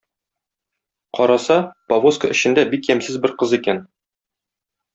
Караса, повозка эчендә бик ямьсез бер кыз икән.